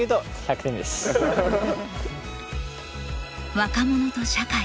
若者と社会。